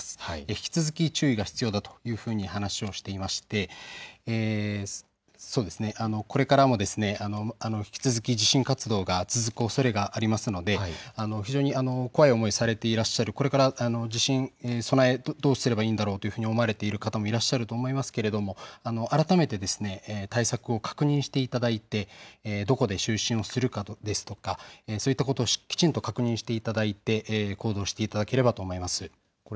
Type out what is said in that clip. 引き続き注意が必要だというふうに話をしていましてこれからも引き続き地震活動が続くおそれがありますので非常に怖い思いをされていらっしゃる、これから地震への備え、どうすればいいと思われている方もいらっしゃると思いますが改めて対策を確認していただいてそこで就寝をするですとか、そういったことをきちんと確認していただいて行動していただければと思います。